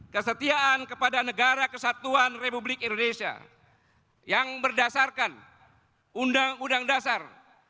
kesetiaan kepada negara kesatuan republik indonesia yang berdasarkan undang undang dasar seribu sembilan ratus empat puluh lima